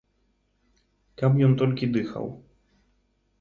Каб ён толькі дыхаў!